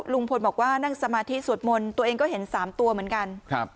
ลุงพลบอกว่านั่งสมาธิสวดมนต์ตัวเองก็เห็นสามตัวเหมือนกันครับ